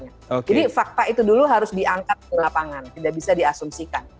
fakta itu dulu harus diangkat ke lapangan tidak bisa diasumsikan